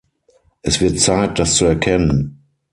Es wird Zeit, das zu erkennen.